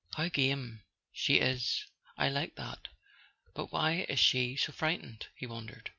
"How game she is! I like that. But why is she so frightened?" he wondered.